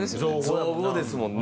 造語ですもんね。